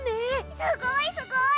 すごいすごい！